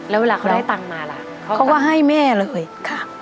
แล้วเวลาเขาได้ตังค์มาล่ะเขาก็ให้แม่เลยค่ะ